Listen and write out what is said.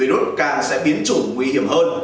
virus càng sẽ biến chủ nguy hiểm hơn